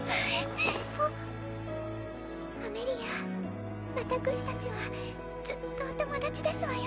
アメリア私達はずっとお友達ですわよ